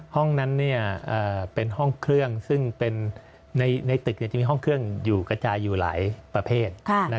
ห้องนั้นเป็นห้องเครื่องซึ่งในตึกจะมีห้องเครื่องอยู่กระจายอยู่หลายประเภท